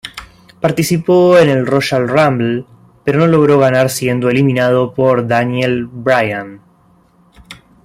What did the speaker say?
Participó en el "Royal Rumble", pero no logró ganar siendo eliminado por Daniel Bryan.